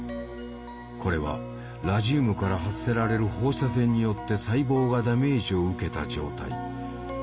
これはラジウムから発せられる放射線によって細胞がダメージを受けた状態。